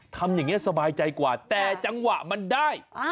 ทำอย่างนี้สบายใจกว่าแต่จังหวะมันได้